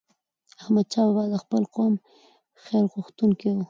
احمدشاه بابا به د خپل قوم خیرغوښتونکی و.